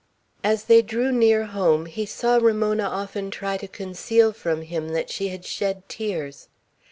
As they drew near home, he saw Ramona often try to conceal from him that she had shed tears.